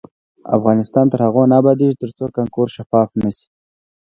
افغانستان تر هغو نه ابادیږي، ترڅو کانکور شفاف نشي.